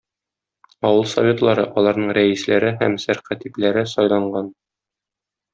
Авыл советлары, аларның рәисләре һәм сәркатипләре сайланган.